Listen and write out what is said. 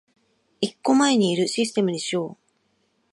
一個前にいるシステムにしよう